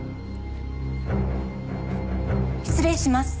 失礼します。